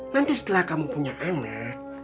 nanti setelah kamu punya anak